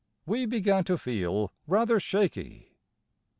We began to feel rather shaky.